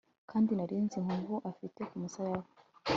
kandi nari nzi inkovu afite kumusaya we